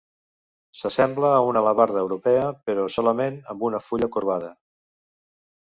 S'assembla a una alabarda europea, però, solament amb una fulla corbada.